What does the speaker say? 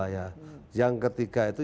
yang ketiga itu